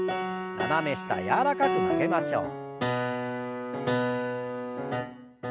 斜め下柔らかく曲げましょう。